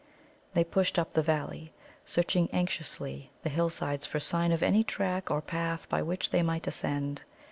They pushed up the valley, searching anxiously the hillsides for sign of any track or path by which they might ascend.